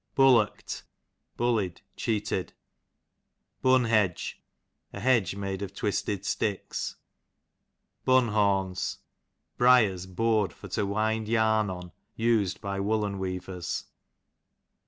Bullockt, bullied, cheated. Bun liedge, a hedge made of taisUd sticks. Bunhorns, briers bored for to irind yam on, iis'd by unollen wearers.